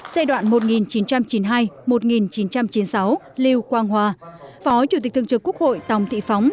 giai đoạn một nghìn chín trăm chín mươi hai một nghìn chín trăm chín mươi sáu liêu quang hòa phó chủ tịch thường trực quốc hội tòng thị phóng